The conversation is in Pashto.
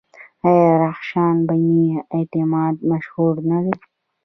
آیا رخشان بني اعتماد مشهوره نه ده؟